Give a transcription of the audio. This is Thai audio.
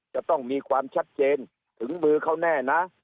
จะต้องมีความชัดเจนถึงมือเขาแน่นะ